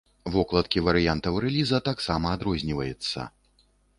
Вокладкі варыянтаў рэліза таксама адрозніваецца.